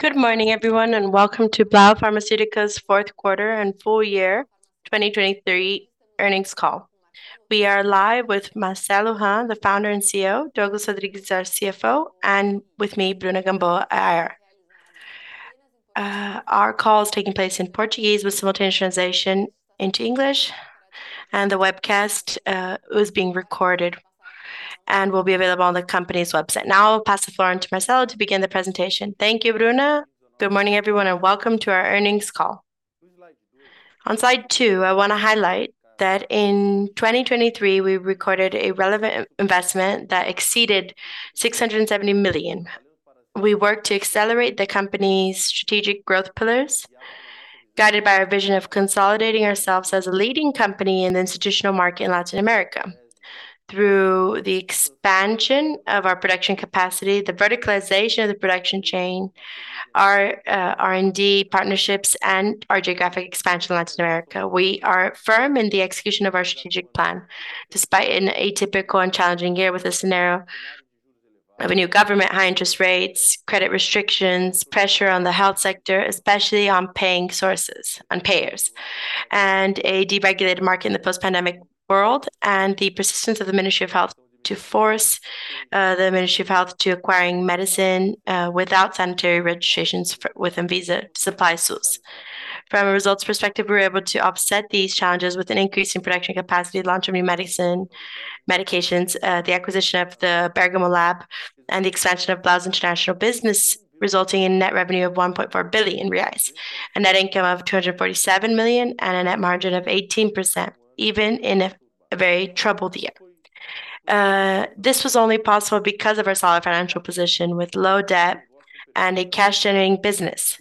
Good morning, everyone, and welcome to Blau Farmacêutica's fourth quarter and full year 2023 earnings call. We are live with Marcelo Hahn, the founder and CEO, Douglas Rodrigues, our CFO, and with me, Bruna Gamboa, IR. Our call is taking place in Portuguese with simultaneous translation into English, and the webcast is being recorded and will be available on the company's website. Now, I'll pass the floor on to Marcelo to begin the presentation. Thank you, Bruna. Good morning, everyone, and welcome to our earnings call. On Slide 2, I want to highlight that in 2023, we recorded a relevant investment that exceeded 670 million. We worked to accelerate the company's strategic growth pillars, guided by our vision of consolidating ourselves as a leading company in the institutional market in Latin America. Through the expansion of our production capacity, the verticalization of the production chain, our R&D partnerships, and our geographic expansion in Latin America, we are firm in the execution of our strategic plan, despite an atypical and challenging year with a scenario of a new government, high interest rates, credit restrictions, pressure on the health sector, especially on paying sources and payers, and a deregulated market in the post-pandemic world, and the persistence of the Ministry of Health to force the Ministry of Health to acquiring medicine without sanitary registrations with via supply source. From a results perspective, we were able to offset these challenges with an increase in production capacity to launch new medicine, medications, the acquisition of the Bergamo Lab, and the expansion of Blau's international business, resulting in net revenue of 1.4 billion reais, a net income of 247 million, and a net margin of 18%, even in a very troubled year. This was only possible because of our solid financial position with low debt and a cash-generating business,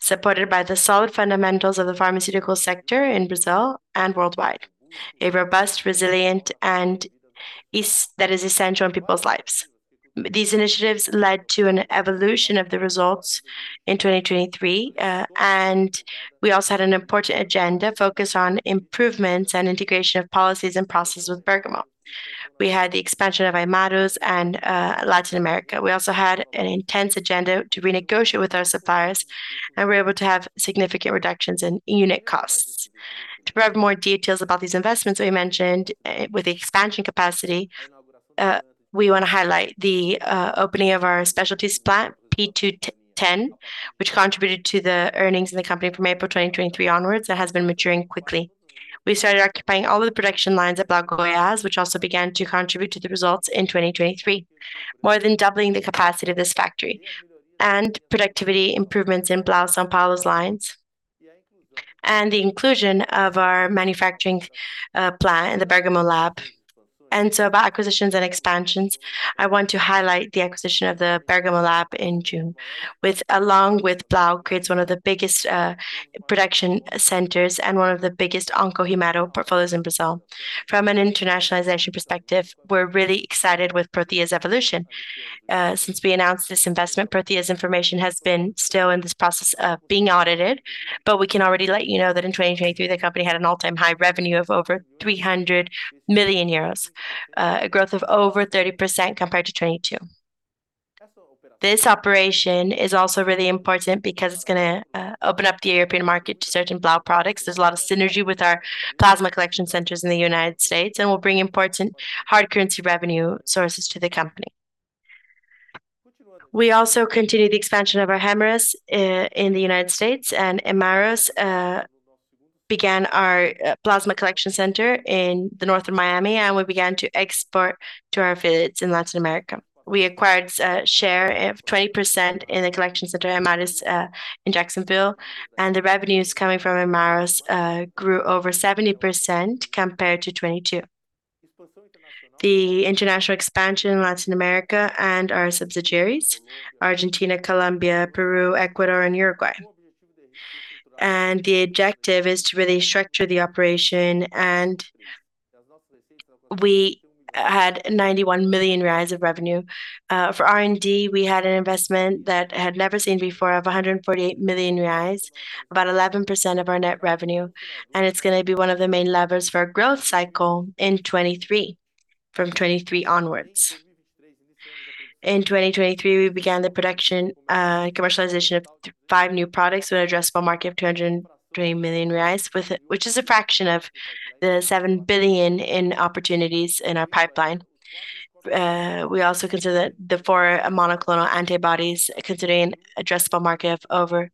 supported by the solid fundamentals of the pharmaceutical sector in Brazil and worldwide. A robust, resilient, and that is essential in people's lives. These initiatives led to an evolution of the results in 2023, and we also had an important agenda focused on improvements and integration of policies and processes with Bergamo. We had the expansion of Hemarus and, Latin America. We also had an intense agenda to renegotiate with our suppliers, and we were able to have significant reductions in unit costs. To provide more details about these investments that we mentioned, with the expansion capacity, we want to highlight the opening of our specialties plant, P210, which contributed to the earnings in the company from April 2023 onwards. It has been maturing quickly. We started occupying all the production lines at Blau Goiás, which also began to contribute to the results in 2023, more than doubling the capacity of this factory, and productivity improvements in Blau São Paulo's lines, and the inclusion of our manufacturing plant in the Bergamo Lab. About acquisitions and expansions, I want to highlight the acquisition of the Bergamo Lab in June, which along with Blau creates one of the biggest production centers and one of the biggest onco hemato portfolios in Brazil. From an internationalization perspective, we're really excited with Prothya's evolution. Since we announced this investment, Prothya information has been still in this process of being audited, but we can already let you know that in 2023, the company had an all-time high revenue of over 300 million euros, a growth of over 30% compared to 2022. This operation is also really important because it's gonna open up the European market to certain Blau products. There's a lot of synergy with our plasma collection centers in the United States, and we'll bring important hard currency revenue sources to the company. We also continued the expansion of our Hemarus in the United States, and Hemarus began our plasma collection center in the north of Miami, and we began to export to our affiliates in Latin America. We acquired a share of 20% in the collection center, Hemarus in Jacksonville, and the revenues coming from Hemarus grew over 70% compared to 2022. The international expansion in Latin America and our subsidiaries, Argentina, Colombia, Peru, Ecuador, and Uruguay. The objective is to really structure the operation, and we had 91 million of revenue. For R&D, we had an investment that had never seen before of 148 million, about 11% of our net revenue, and it's gonna be one of the main levers for our growth cycle in 2023, from 2023 onwards. In 2023, we began the production, commercialization of five new products with an addressable market of 220 million reais, which is a fraction of the 7 billion in opportunities in our pipeline. We also consider that the four monoclonal antibodies, considering an addressable market of over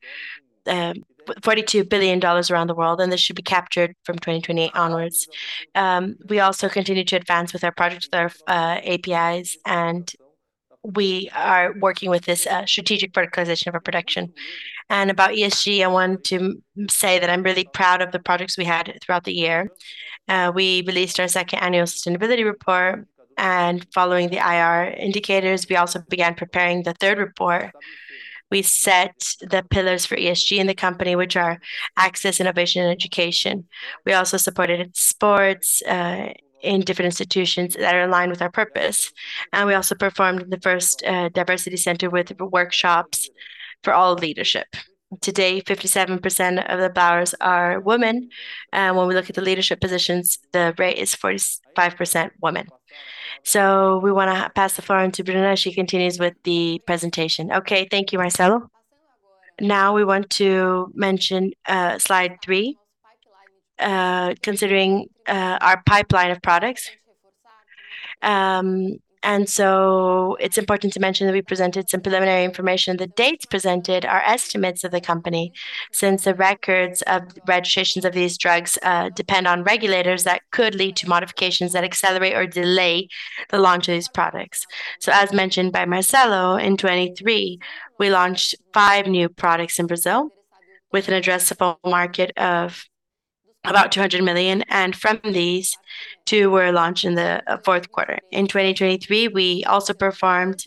$42 billion around the world, and this should be captured from 2028 onwards. We also continue to advance with our projects, our APIs, and we are working with this strategic verticalization of our production. About ESG, I want to say that I'm really proud of the projects we had throughout the year. We released our second annual sustainability report, and following the IR indicators, we also began preparing the third report. We set the pillars for ESG in the company, which are access, innovation, and education. We also supported sports in different institutions that are aligned with our purpose, and we also performed the first diversity center with workshops for all leadership. Today, 57% of the Blauers are women, and when we look at the leadership positions, the rate is 45% women. So we want to pass the floor on to Bruna. She continues with the presentation. Okay, thank you, Marcelo. Now, we want to mention Slide 3.... considering our pipeline of products. It's important to mention that we presented some preliminary information. The dates presented are estimates of the company, since the records of registrations of these drugs depend on regulators that could lead to modifications that accelerate or delay the launch of these products. As mentioned by Marcelo, in 2023, we launched five new products in Brazil with an addressable market of about 200 million, and from these, two were launched in the fourth quarter. In 2023, we also performed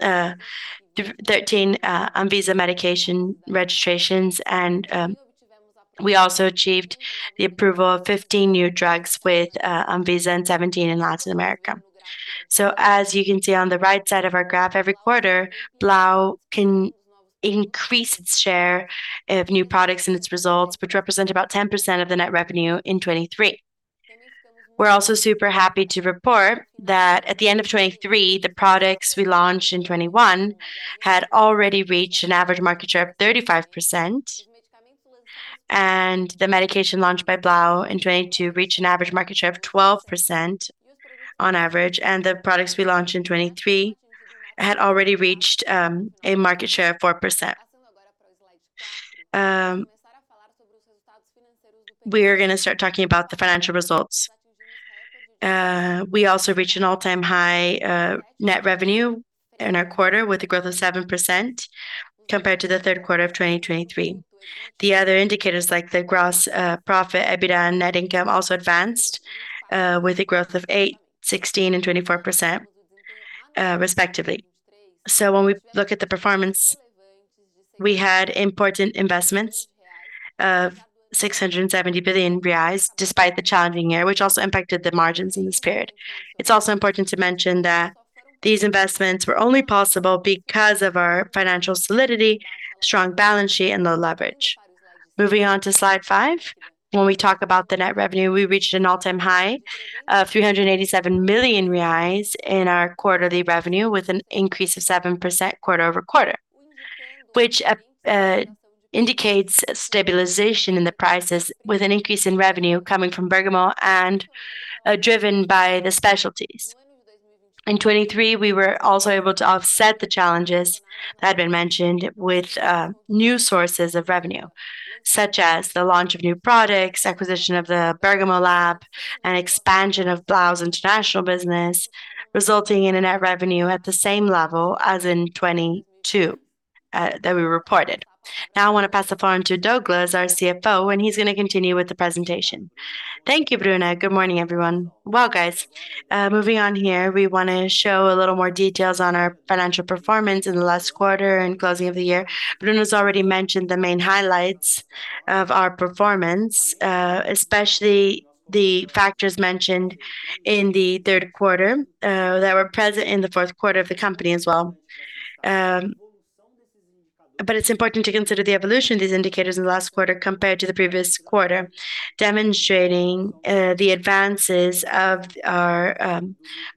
thirteen ANVISA medication registrations, and we also achieved the approval of fifteen new drugs with ANVISA and seventeen in Latin America. So as you can see on the right side of our graph, every quarter, Blau can increase its share of new products and its results, which represent about 10% of the net revenue in 2023. We're also super happy to report that at the end of 2023, the products we launched in 2021 had already reached an average market share of 35%, and the medication launched by Blau in 2022 reached an average market share of 12% on average, and the products we launched in 2023 had already reached a market share of 4%. We are gonna start talking about the financial results. We also reached an all-time high net revenue in our quarter, with a growth of 7% compared to the third quarter of 2023. The other indicators, like the gross profit, EBITDA, and net income, also advanced with a growth of 8, 16, and 24%, respectively. So when we look at the performance, we had important investments of 670 billion reais, despite the challenging year, which also impacted the margins in this period. It's also important to mention that these investments were only possible because of our financial solidity, strong balance sheet, and low leverage. Moving on to Slide 5. When we talk about the net revenue, we reached an all-time high of 387 million reais in our quarterly revenue, with an increase of 7% quarter-over-quarter, which indicates stabilization in the prices, with an increase in revenue coming from Bergamo and driven by the specialties. In 2023, we were also able to offset the challenges that have been mentioned with new sources of revenue, such as the launch of new products, acquisition of the Bergamo Lab, and expansion of Blau's international business, resulting in a net revenue at the same level as in 2022 that we reported. Now I want to pass the phone to Douglas, our CFO, and he's gonna continue with the presentation. Thank you, Bruna. Good morning, everyone. Well, guys, moving on here, we want to show a little more details on our financial performance in the last quarter and closing of the year. Bruna's already mentioned the main highlights of our performance, especially the factors mentioned in the third quarter that were present in the fourth quarter of the company as well. But it's important to consider the evolution of these indicators in the last quarter compared to the previous quarter, demonstrating the advances of our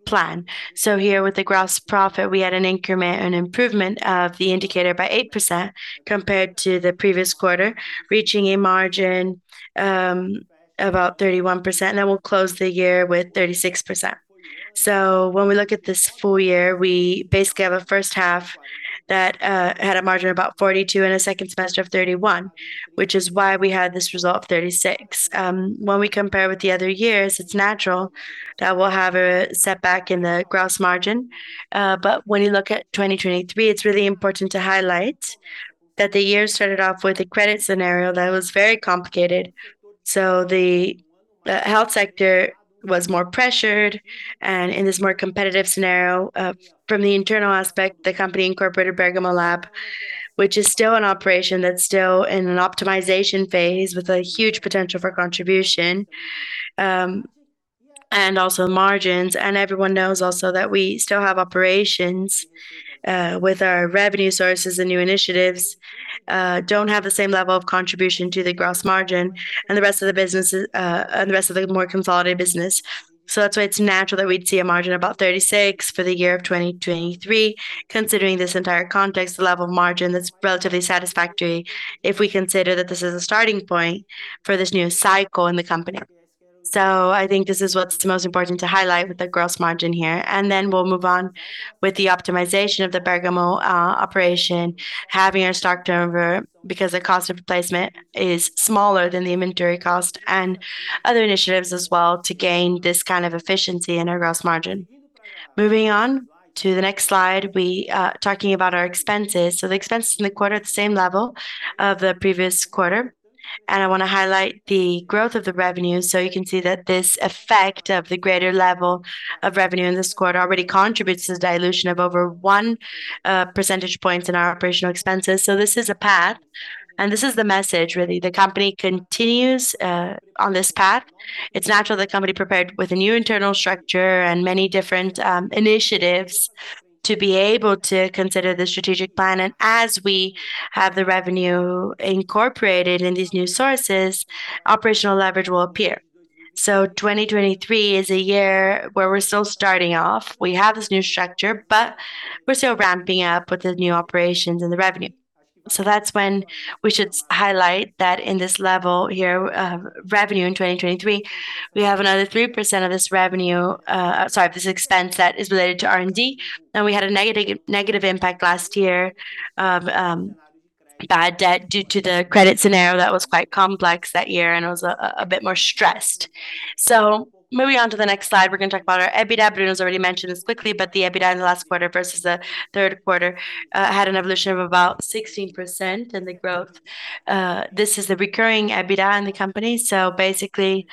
plan. So here, with the gross profit, we had an increment, an improvement of the indicator by 8% compared to the previous quarter, reaching a margin about 31%, and we'll close the year with 36%. So when we look at this full year, we basically have a first half that had a margin of about 42% and a second semester of 31%, which is why we had this result of 36%. When we compare with the other years, it's natural that we'll have a setback in the gross margin. But when you look at 2023, it's really important to highlight that the year started off with a credit scenario that was very complicated. So the health sector was more pressured, and in this more competitive scenario, from the internal aspect, the company incorporated Bergamo Lab, which is still in operation, that's still in an optimization phase with a huge potential for contribution, and also margins. And everyone knows also that we still have operations with our revenue sources, and new initiatives don't have the same level of contribution to the gross margin and the rest of the business, and the rest of the more consolidated business. So that's why it's natural that we'd see a margin of about 36 for the year of 2023. Considering this entire context, the level of margin, that's relatively satisfactory if we consider that this is a starting point for this new cycle in the company. So I think this is what's most important to highlight with the gross margin here, and then we'll move on with the optimization of the Bergamo operation, having our stock turnover, because the cost of replacement is smaller than the inventory cost, and other initiatives as well to gain this kind of efficiency in our gross margin. Moving on to the next slide, we are talking about our expenses. So the expenses in the quarter are at the same level of the previous quarter, and I want to highlight the growth of the revenue. So you can see that this effect of the greater level of revenue in this quarter already contributes to the dilution of over 1 percentage points in our operational expenses. So this is a path, and this is the message, really. The company continues on this path. It's natural the company prepared with a new internal structure and many different initiatives to be able to consider the strategic plan, and as we have the revenue incorporated in these new sources, operational leverage will appear. So 2023 is a year where we're still starting off. We have this new structure, but we're still ramping up with the new operations and the revenue. So that's when we should highlight that in this level here, revenue in 2023, we have another 3% of this revenue, sorry, this expense that is related to R&D, and we had a negative, negative impact last year of bad debt due to the credit scenario that was quite complex that year, and it was a bit more stressed. So moving on to the next slide, we're gonna talk about our EBITDA. Bruno has already mentioned this quickly, but the EBITDA in the last quarter versus the third quarter had an evolution of about 16% in the growth. This is the recurring EBITDA in the company, so basically,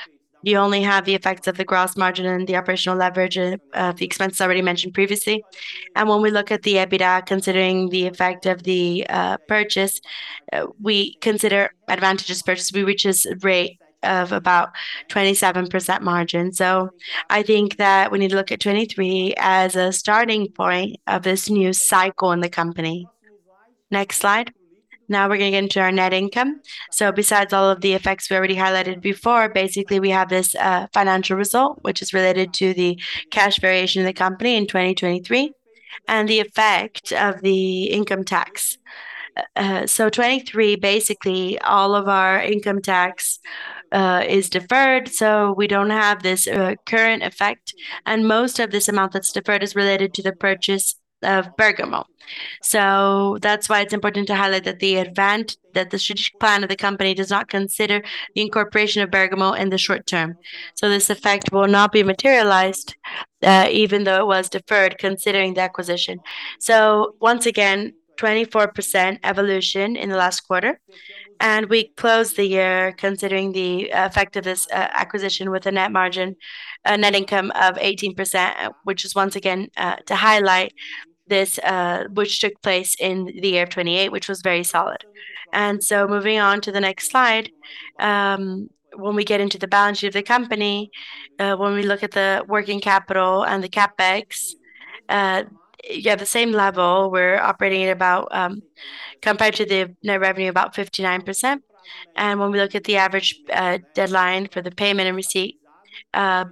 you only have the effects of the gross margin and the operational leverage, the expenses already mentioned previously. And when we look at the EBITDA, considering the effect of the purchase we consider advantageous purchase. We reach this rate of about 27% margin. So I think that we need to look at 2023 as a starting point of this new cycle in the company. Next slide. Now we're gonna get into our net income. So besides all of the effects we already highlighted before, basically, we have this financial result, which is related to the cash variation in the company in 2023, and the effect of the income tax. So 2023, basically, all of our income tax is deferred, so we don't have this current effect, and most of this amount that's deferred is related to the purchase of Bergamo. So that's why it's important to highlight that the strategic plan of the company does not consider the incorporation of Bergamo in the short term. So this effect will not be materialized, even though it was deferred, considering the acquisition. So once again, 24% evolution in the last quarter, and we closed the year considering the effect of this acquisition with a net margin, a net income of 18%, which is once again to highlight this, which took place in the year of 2028, which was very solid. Moving on to the next slide, when we get into the balance sheet of the company, when we look at the working capital and the CapEx, you have the same level. We're operating at about compared to the net revenue, about 59%. When we look at the average deadline for the payment and receipt,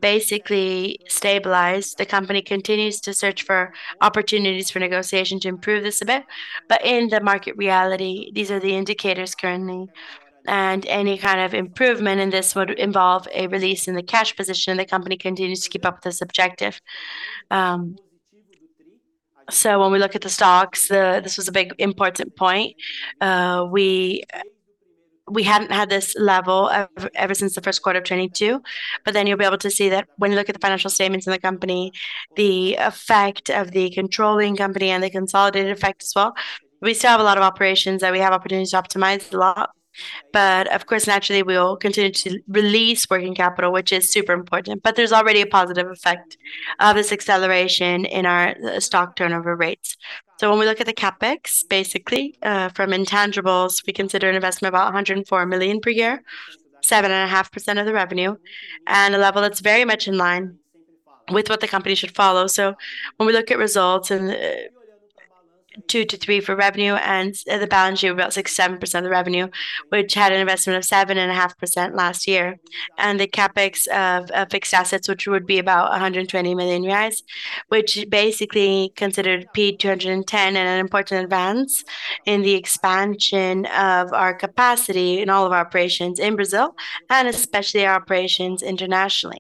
basically stabilized. The company continues to search for opportunities for negotiation to improve this a bit, but in the market reality, these are the indicators currently, and any kind of improvement in this would involve a release in the cash position, and the company continues to keep up with this objective. So when we look at the stocks, this was a big, important point. We hadn't had this level ever since the first quarter of 2022, but then you'll be able to see that when you look at the financial statements in the company, the effect of the controlling company and the consolidated effect as well. We still have a lot of operations, and we have opportunities to optimize a lot, but of course, naturally, we will continue to release working capital, which is super important. But there's already a positive effect of this acceleration in our stock turnover rates. So when we look at the CapEx, basically from intangibles, we consider an investment of about 104 million per year, 7.5% of the revenue, and a level that's very much in line with what the company should follow. So when we look at results and 2-3 for revenue and the balance sheet of about 6%-7% of the revenue, which had an investment of 7.5% last year, and the CapEx of fixed assets, which would be about 120 million reais, which basically considered P210 and an important advance in the expansion of our capacity in all of our operations in Brazil, and especially our operations internationally.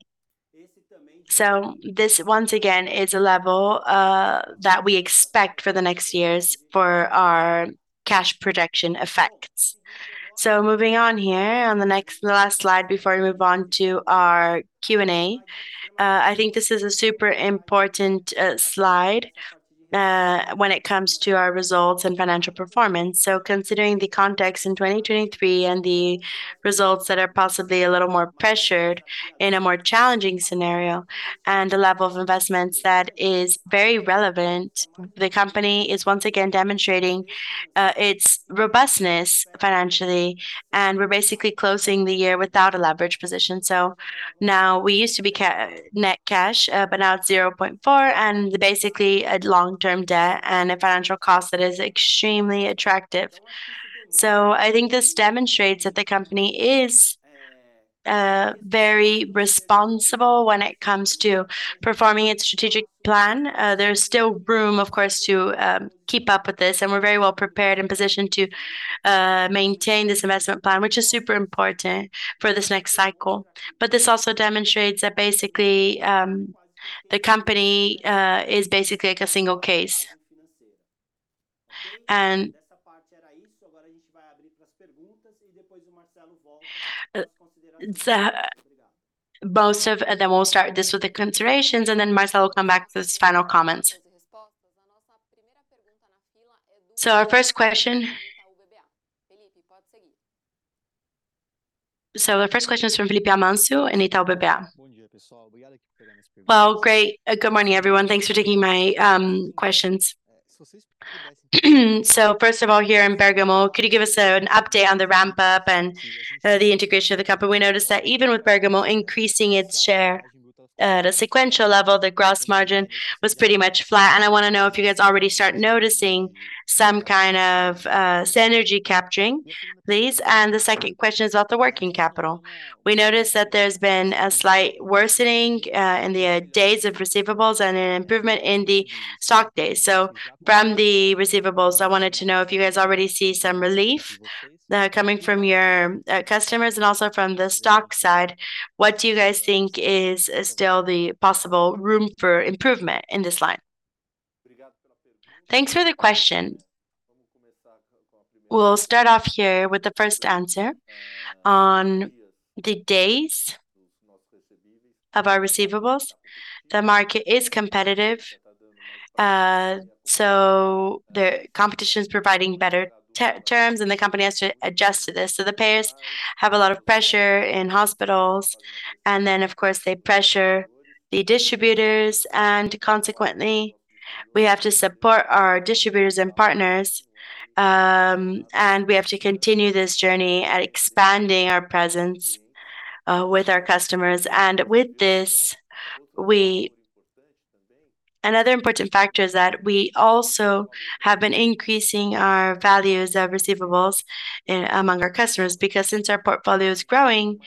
So this, once again, is a level that we expect for the next years for our cash protection effects. So moving on here, on the next and the last slide before we move on to our Q&A. I think this is a super important slide when it comes to our results and financial performance. So considering the context in 2023 and the results that are possibly a little more pressured in a more challenging scenario, and the level of investments that is very relevant, the company is once again demonstrating its robustness financially, and we're basically closing the year without a leverage position. So now we used to be net cash, but now it's 0.4, and basically a long-term debt and a financial cost that is extremely attractive. So I think this demonstrates that the company is very responsible when it comes to performing its strategic plan. There's still room, of course, to keep up with this, and we're very well prepared and positioned to maintain this investment plan, which is super important for this next cycle. But this also demonstrates that basically the company is basically like a single case. And so both of... Then we'll start this with the considerations, and then Marcelo will come back with his final comments. So our first question. So the first question is from Felipe Amancio and Itaú BBA. Well, great. Good morning, everyone. Thanks for taking my questions. So first of all, here in Bergamo, could you give us an update on the ramp-up and the integration of the company? We noticed that even with Bergamo increasing its share at a sequential level, the gross margin was pretty much flat, and I wanna know if you guys already start noticing some kind of synergy capturing, please. And the second question is about the working capital. We noticed that there's been a slight worsening in the days of receivables and an improvement in the stock days. So from the receivables, I wanted to know if you guys already see some relief coming from your customers, and also from the stock side, what do you guys think is still the possible room for improvement in this line? Thanks for the question. We'll start off here with the first answer. On the days of our receivables, the market is competitive, so the competition is providing better terms, and the company has to adjust to this. So the payers have a lot of pressure in hospitals, and then, of course, they pressure the distributors, and consequently, we have to support our distributors and partners. And we have to continue this journey at expanding our presence with our customers. And with this, another important factor is that we also have been increasing our values of receivables among our customers, because since our portfolio is growing,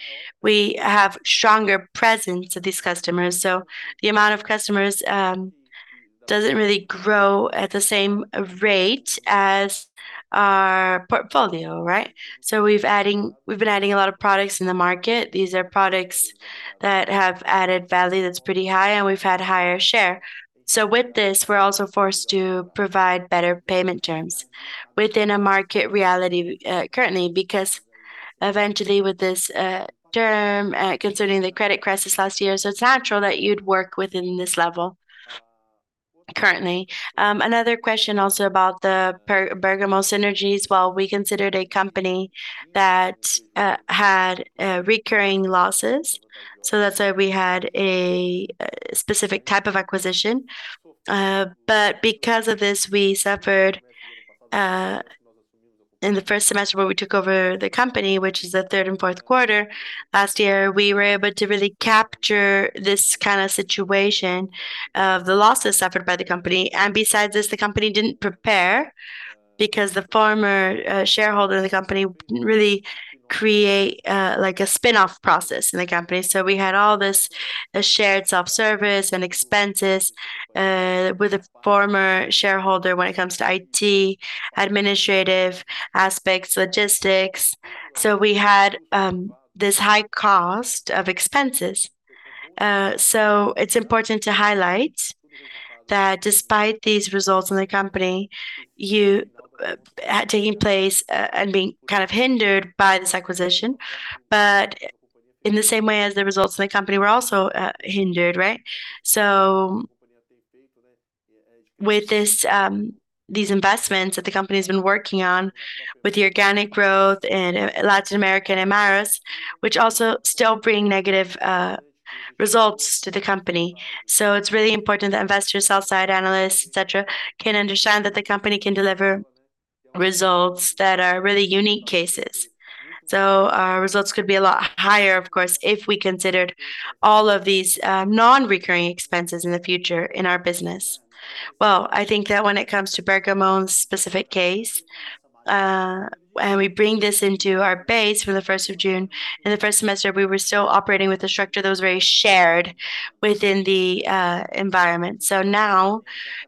we have stronger presence of these customers. So the amount of customers doesn't really grow at the same rate as our portfolio, right? So we've adding, we've been adding a lot of products in the market. These are products that have added value that's pretty high, and we've had higher share. So with this, we're also forced to provide better payment terms within a market reality, currently, because eventually with this, term, concerning the credit crisis last year, so it's natural that you'd work within this level currently. Another question also about the Bergamo synergies. While we considered a company that had recurring losses, so that's why we had a specific type of acquisition. But because of this, we suffered in the first semester where we took over the company, which is the third and fourth quarter. Last year, we were able to really capture this kind of situation of the losses suffered by the company, and besides this, the company didn't prepare because the former shareholder of the company didn't really create like a spin-off process in the company. So we had all this, shared self-service and expenses, with the former shareholder when it comes to IT, administrative aspects, logistics. So we had, this high cost of expenses. So it's important to highlight that despite these results in the company, you, taking place, and being kind of hindered by this acquisition, but in the same way as the results in the company were also, hindered, right? So with this, these investments that the company's been working on with the organic growth in Latin America and Americas, which also still bring negative, results to the company. So it's really important that investors, sell-side analysts, et cetera, can understand that the company can deliver results that are really unique cases. So our results could be a lot higher, of course, if we considered all of these non-recurring expenses in the future in our business. Well, I think that when it comes to Bergamo's specific case, and we bring this into our base from the first of June. In the first semester, we were still operating with a structure that was very shared within the environment. So now,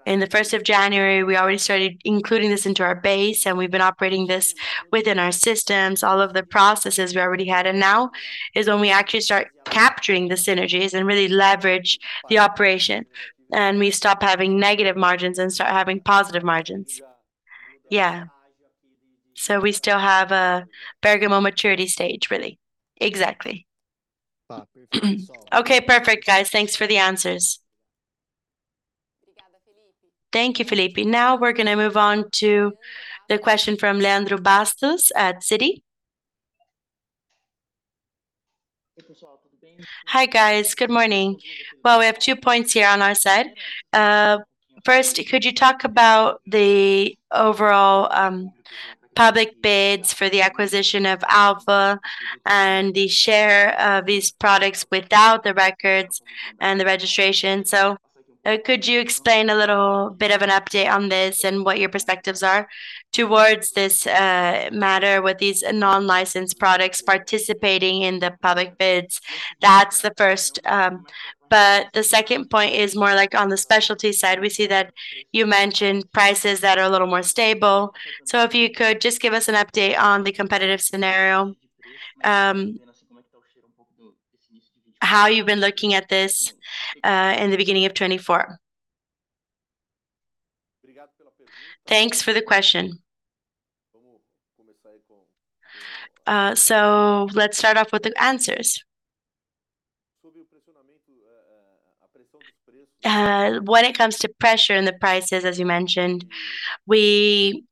in the first of January, we already started including this into our base, and we've been operating this within our systems, all of the processes we already had. And now is when we actually start capturing the synergies and really leverage the operation, and we stop having negative margins and start having positive margins. Yeah. So we still have a Bergamo maturity stage, really. Exactly. Okay, perfect, guys. Thanks for the answers. Thank you, Felipe. Now we're gonna move on to the question from Leandro Bastos at Citi. Hi, guys. Good morning. Well, we have two points here on our side. First, could you talk about the overall public bids for the acquisition of Alpha and the share of these products without the records and the registration? So, could you explain a little bit of an update on this and what your perspectives are towards this matter with these non-licensed products participating in the public bids? That's the first. But the second point is more like on the specialty side. We see that you mentioned prices that are a little more stable. So if you could, just give us an update on the competitive scenario, how you've been looking at this in the beginning of 2024. Thanks for the question. So let's start off with the answers. When it comes to pressure and the prices, as you mentioned, we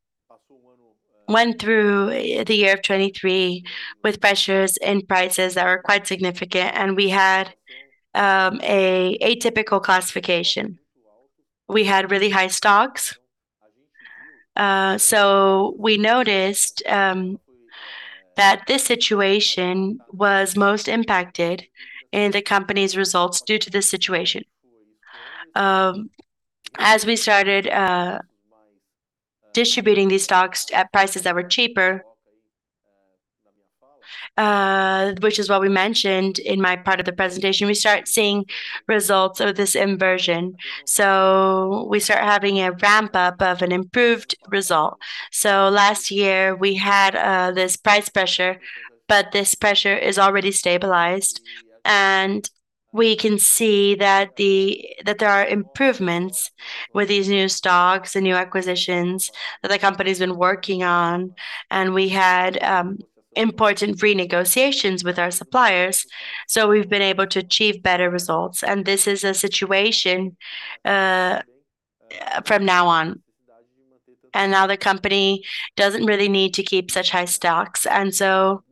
went through the year of 2023 with pressures and prices that were quite significant, and we had an atypical classification. We had really high stocks. So we noticed that this situation was most impacted in the company's results due to this situation. As we started distributing these stocks at prices that were cheaper, which is what we mentioned in my part of the presentation, we start seeing results of this inversion. So we start having a ramp up of an improved result. So last year, we had this price pressure, but this pressure is already stabilized, and we can see that there are improvements with these new stocks and new acquisitions that the company's been working on. We had important free negotiations with our suppliers, so we've been able to achieve better results. This is a situation from now on. Now the company doesn't really need to keep such high stocks. So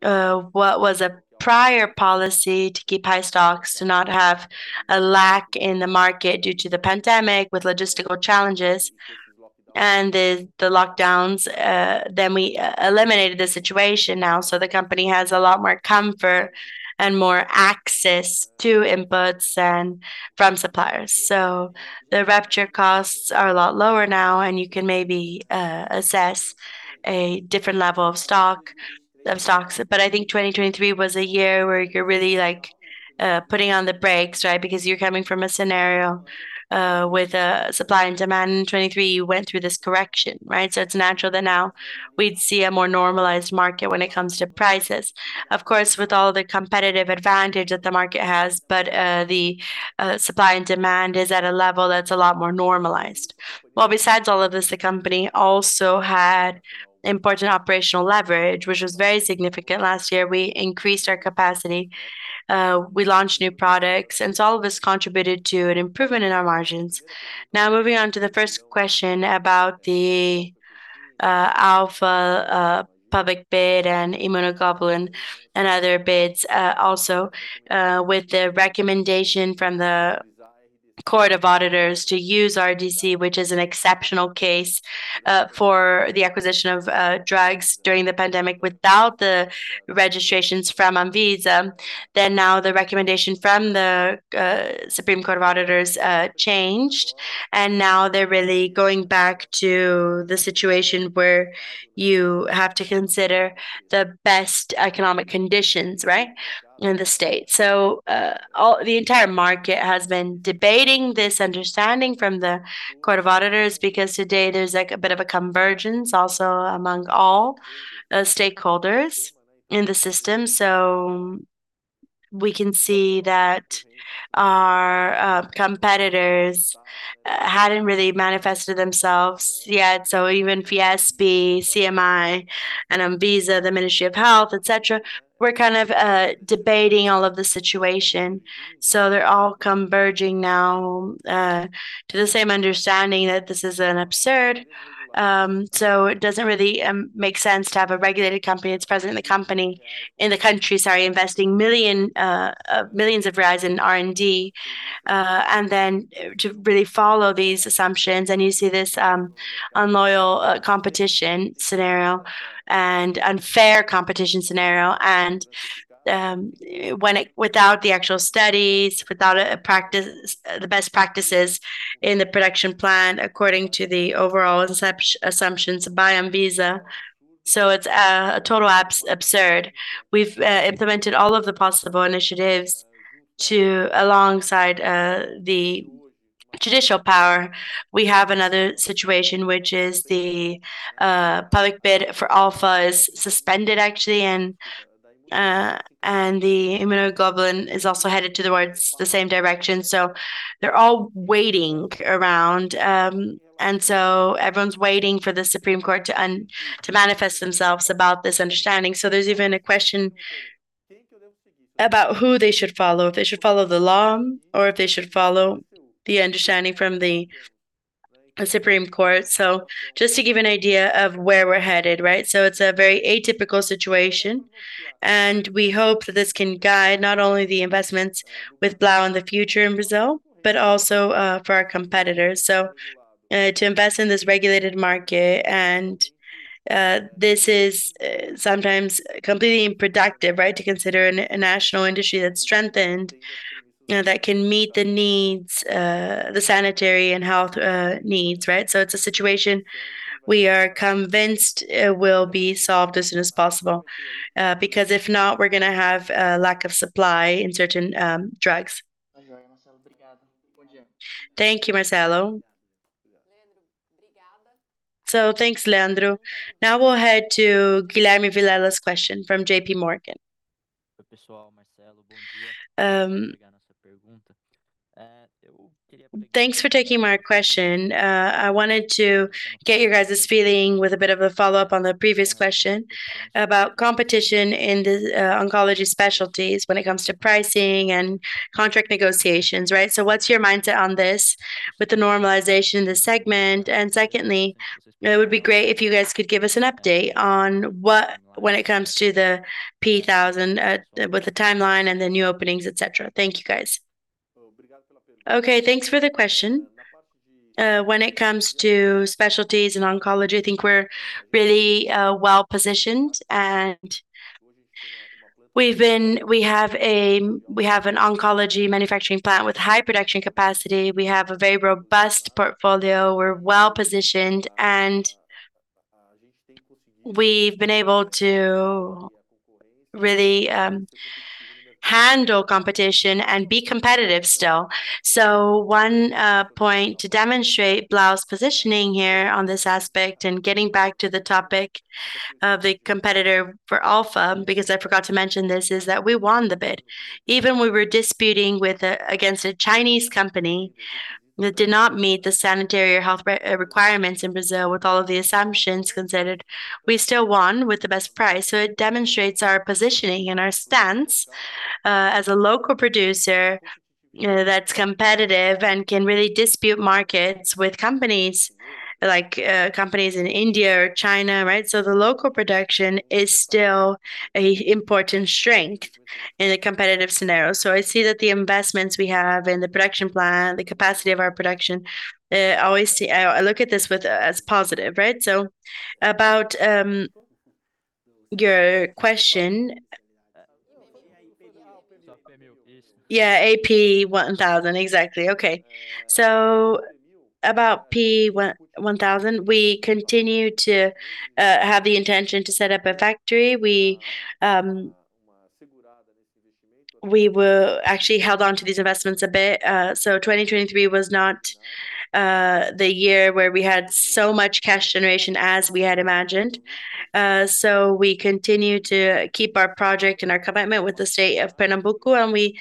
what was a prior policy to keep high stocks, to not have a lack in the market due to the pandemic, with logistical challenges and the lockdowns, then we eliminated the situation now. The company has a lot more comfort and more access to inputs from suppliers. The procurement costs are a lot lower now, and you can maybe assess a different level of stock, of stocks. But I think 2023 was a year where you're really, like, putting on the brakes, right? Because you're coming from a scenario with supply and demand. In 2023, you went through this correction, right? So it's natural that now we'd see a more normalized market when it comes to prices. Of course, with all the competitive advantage that the market has, but, the, supply and demand is at a level that's a lot more normalized. Well, besides all of this, the company also had important operational leverage, which was very significant. Last year, we increased our capacity, we launched new products, and so all of this contributed to an improvement in our margins. Now, moving on to the first question about the, Alpha, public bid and immunoglobulin and other bids. Also, with the recommendation from the Court of Auditors to use RDC, which is an exceptional case, for the acquisition of, drugs during the pandemic without the registrations from ANVISA. Now, the recommendation from the Federal Court of Accounts changed, and now they're really going back to the situation where you have to consider the best economic conditions, right? In the state. So, the entire market has been debating this understanding from the Federal Court of Accounts, because today there's, like, a bit of a convergence also among all the stakeholders in the system. So we can see that our competitors hadn't really manifested themselves yet. So even FIESP, CNI and ANVISA, the Ministry of Health, et cetera, were kind of debating all of the situation. So they're all converging now to the same understanding that this is an absurd. So it doesn't really make sense to have a regulated company that's present in the company... In the country, sorry, investing millions of BRL in R&D, and then to really follow these assumptions, and you see this unloyal competition scenario and unfair competition scenario. And when it-- without the actual studies, without a practice, the best practices in the production plan, according to the overall assumptions by ANVISA. So it's a total absurd. We've implemented all of the possible initiatives to-- alongside the judicial power. We have another situation, which is the public bid for Alpha is suspended, actually, and the immunoglobulin is also headed towards the same direction. So they're all waiting around, and so everyone's waiting for the Supreme Court to manifest themselves about this understanding. So there's even a question about who they should follow, if they should follow the law or if they should follow the understanding from the Supreme Court. So just to give you an idea of where we're headed, right? So it's a very atypical situation, and we hope that this can guide not only the investments with Blau in the future in Brazil, but also for our competitors. So, to invest in this regulated market and, this is, sometimes completely unproductive, right? To consider a national industry that's strengthened, that can meet the needs, the sanitary and health, needs, right? So it's a situation we are convinced it will be solved as soon as possible, because if not, we're going to have a lack of supply in certain, drugs. Thank you, Marcelo. So thanks, Leandro. Now we'll head to Guilherme Vilela's question from JPMorgan. Thanks for taking my question. I wanted to get your guys' feeling with a bit of a follow-up on the previous question about competition in the, oncology specialties when it comes to pricing and contract negotiations, right? So what's your mindset on this with the normalization in the segment? And secondly, it would be great if you guys could give us an update on what-- when it comes to the P1000, with the timeline and the new openings, et cetera. Thank you, guys. Okay, thanks for the question. When it comes to specialties in oncology, I think we're really, well-positioned, and we have an oncology manufacturing plant with high production capacity. We have a very robust portfolio. We're well-positioned, and we've been able to really handle competition and be competitive still. So one point to demonstrate Blau's positioning here on this aspect, and getting back to the topic of the competitor for Alpha, because I forgot to mention this, is that we won the bid. Even we were disputing against a Chinese company that did not meet the sanitary or health requirements in Brazil, with all of the assumptions considered, we still won with the best price. So it demonstrates our positioning and our stance as a local producer, you know, that's competitive and can really dispute markets with companies like companies in India or China, right? So the local production is still a important strength in a competitive scenario. So I see that the investments we have in the production plan, the capacity of our production. I always see... I look at this as positive, right? So about your question. Yeah, P1000. Exactly. Okay. So about P1000, we continue to have the intention to set up a factory. We will actually held on to these investments a bit. So 2023 was not the year where we had so much cash generation as we had imagined. So we continue to keep our project and our commitment with the state of Pernambuco, and we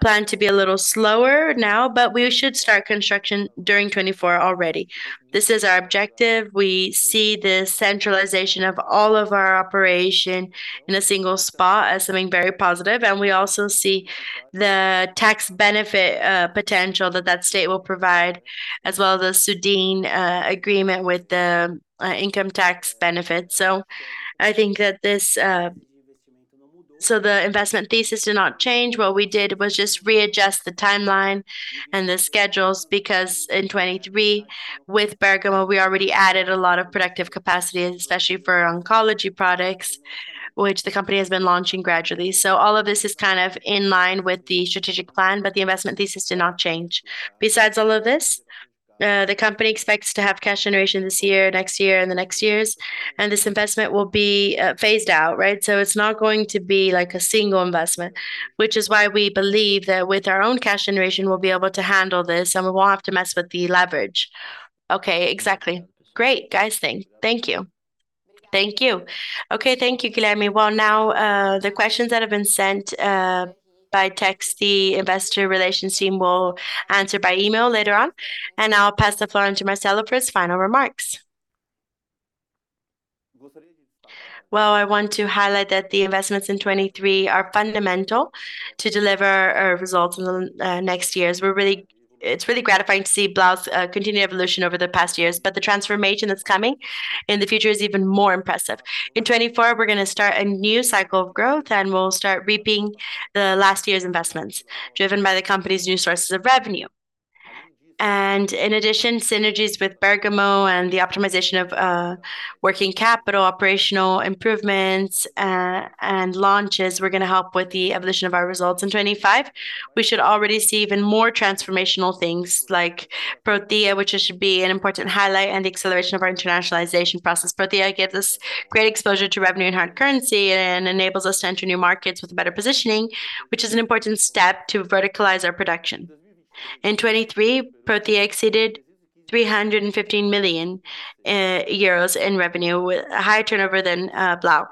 plan to be a little slower now, but we should start construction during 2024 already. This is our objective. We see the centralization of all of our operation in a single spot as something very positive, and we also see the tax benefit, potential that that state will provide, as well as the Sudene, agreement with the, income tax benefit. So I think that this... So the investment thesis did not change. What we did was just readjust the timeline and the schedules, because in 2023, with Bergamo, we already added a lot of productive capacity, especially for oncology products, which the company has been launching gradually. So all of this is kind of in line with the strategic plan, but the investment thesis did not change. Besides all of this, the company expects to have cash generation this year, next year, and the next years, and this investment will be, phased out, right? So it's not going to be like a single investment, which is why we believe that with our own cash generation, we'll be able to handle this, and we won't have to mess with the leverage. Okay, exactly. Great, guys, thank, thank you. Thank you. Okay, thank you, Guilherme. Well, now, the questions that have been sent by text, the investor relations team will answer by email later on, and I'll pass the floor on to Marcelo for his final remarks. Well, I want to highlight that the investments in 2023 are fundamental to deliver our results in the next years. It's really gratifying to see Blau's continued evolution over the past years, but the transformation that's coming in the future is even more impressive. In 2024, we're going to start a new cycle of growth, and we'll start reaping the last year's investments, driven by the company's new sources of revenue. And in addition, synergies with Bergamo and the optimization of, working capital, operational improvements, and launches, we're going to help with the evolution of our results. In 2025, we should already see even more transformational things like Prothya, which should be an important highlight, and the acceleration of our internationalization process. Prothya gives us great exposure to revenue and hard currency and enables us to enter new markets with a better positioning, which is an important step to verticalize our production. In 2023, Prothya exceeded 315 million euros in revenue, with a higher turnover than, Blau.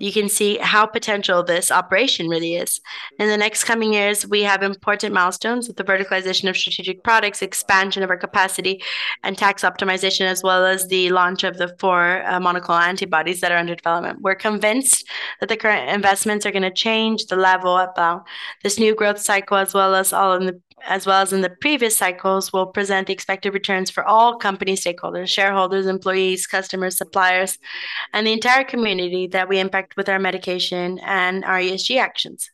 You can see how potential this operation really is. In the next coming years, we have important milestones with the verticalization of strategic products, expansion of our capacity, and tax optimization, as well as the launch of the four monoclonal antibodies that are under development. We're convinced that the current investments are going to change the level at Blau. This new growth cycle, as well as in the previous cycles, will present the expected returns for all company stakeholders, shareholders, employees, customers, suppliers, and the entire community that we impact with our medication and our ESG actions.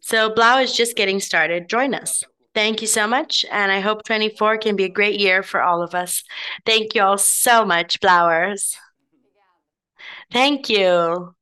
So Blau is just getting started. Join us. Thank you so much, and I hope 2024 can be a great year for all of us. Thank you all so much, Blauers. Thank you.